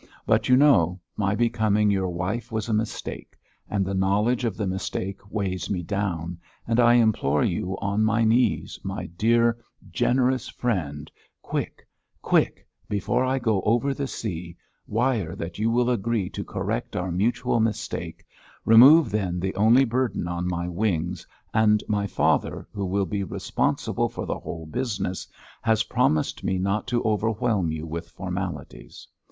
But, you know, my becoming your wife was a mistake, and the knowledge of the mistake weighs me down, and I implore you on my knees, my dear, generous friend, quick quick before I go over the sea wire that you will agree to correct our mutual mistake, remove then the only burden on my wings, and my father, who will be responsible for the whole business, has promised me not to overwhelm you with formalities.